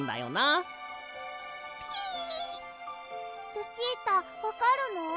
ルチータわかるの？